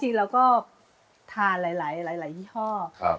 จริงเราก็ทานหลายยี่ห้อ